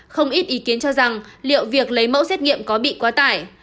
không ít ý kiến cho rằng liệu việc lấy mẫu xét nghiệm có bị quá tải